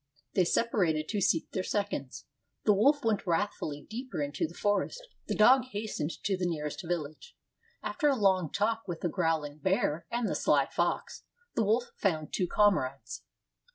They separated to seek their seconds. The wolf went wrathfully deeper into the forest; the dog hastened to the nearest village. After a long talk with the growling bear and the sly fox, the wolf found two comrades.